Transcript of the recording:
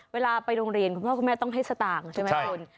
เวลาไปโรงเรียนคุณพ่อคุณแม่ต้องให้สตางค์ใช่ไหมคุณ